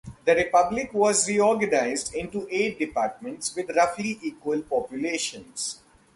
The republic was reorganised into eight departments with roughly equal populations.